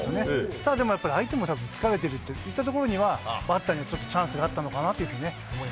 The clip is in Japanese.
ただ、でもやっぱり相手も疲れてるといったところには、バッターにはちょっとチャンスがあったのかなというふうに思い